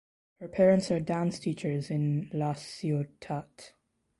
Her parents are dance teachers in La Ciotat.